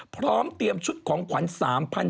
พร้อมเตรียมชุดของขวัญ